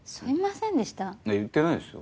言ってないですよ。